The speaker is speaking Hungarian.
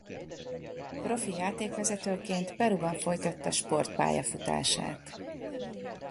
Profi játékvezetőként Peruban folytatta sportpályafutását.